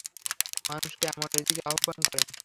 মানুষকে আমলের দিকে আহবান করেন।